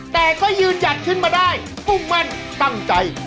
แต่ก็ยืนหยัดขึ้นมาได้มุ่งมั่นตั้งใจ